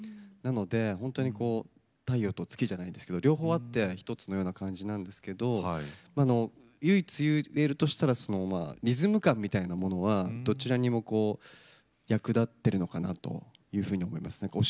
なのでほんとにこう太陽と月じゃないですけど両方あって１つのような感じなんですけど唯一言えるとしたらリズム感みたいなものはどちらにも役立ってるのかなというふうに思いますね。